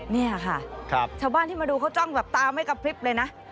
นี่ค่ะชาวบ้านที่มาดูเขาจ้องแบบตาไม่กระพริบเลยนะ